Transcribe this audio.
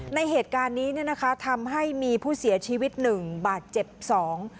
ในเหตุการณ์นี้เนี่ยนะคะทำให้มีผู้เสียชีวิตหนึ่งบาดเจ็บสอง